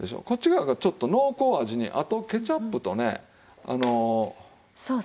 こっち側がちょっと濃厚味にあとケチャップとねあの。